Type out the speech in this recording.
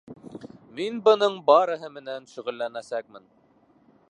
Мин бының барыһы менән шөғөләннәсәкмен.